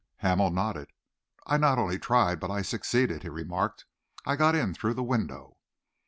Hamel nodded. "I not only tried but I succeeded," he remarked. "I got in through the window."